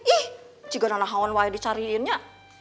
ih juga anak anak yang dicariinnya